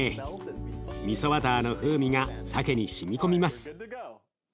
みそバターの風味がさけにしみ込みます。